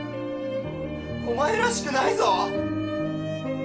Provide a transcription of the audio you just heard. お前らしくないぞ！